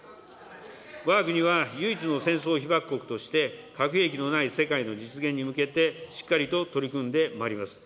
わが国は唯一の戦争被爆国として、核兵器のない世界の実現に向けて、しっかりと取り組んでまいります。